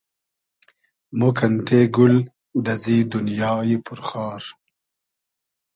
مۉ کئنتې گول دئزی دونیایی پور خار